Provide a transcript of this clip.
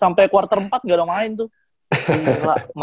sampai quarter empat gak ada yang main tuh